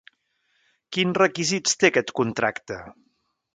Quins requisits té aquest contracte?